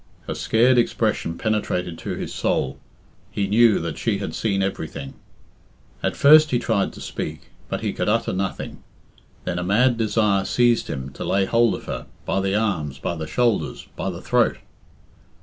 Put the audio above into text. Her scared expression penetrated to his soul. He knew that she had seen everything. At first he tried to speak, but he could utter nothing. Then a mad desire seized him to lay hold of her by the arms, by the shoulders, by the throat.